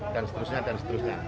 dan seterusnya dan seterusnya